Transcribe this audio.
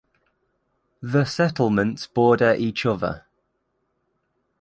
The settlements border each other.